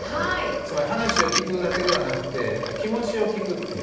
つまり話を聞くだけではなくてやっぱり気持ちを聴くっていうね。